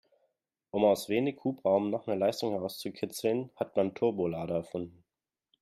Um aus wenig Hubraum noch mehr Leistung herauszukitzeln, hat man Turbolader erfunden.